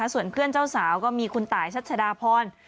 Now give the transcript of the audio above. ส่วนเพื่อนเจ้าสาวก็มีคุณตายชัชดาพร